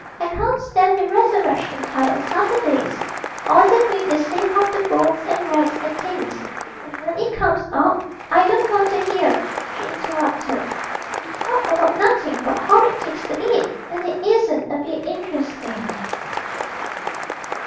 I can't stand the resurrection pie on Saturdays all the week they save up the bones and rags and things, and when it comes up ' 'I don't want to hear,' she interrupted; 'you talk about nothing but horrid things to eat, and it isn't a bit interesting.'